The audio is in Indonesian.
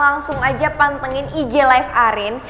langsung aja pantengin ig live arin